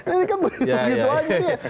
ini kan begitu aja ya